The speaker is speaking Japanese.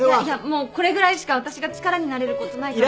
もうこれぐらいしか私が力になれることないからさ。